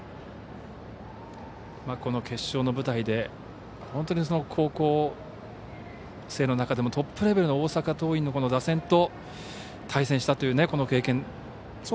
この決勝の舞台で本当に高校生の中でもトップレベルの大阪桐蔭の打線と対戦したという経験。